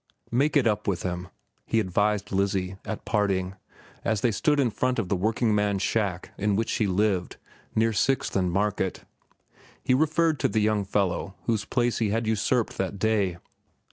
"Make it up with him," he advised Lizzie, at parting, as they stood in front of the workingman's shack in which she lived, near Sixth and Market. He referred to the young fellow whose place he had usurped that day.